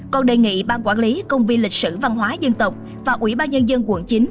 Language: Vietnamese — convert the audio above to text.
còn đề nghị bang quản lý công viên lịch sử văn hóa dân tộc và ubnd quận chín